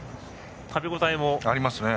食べ応えもありますね。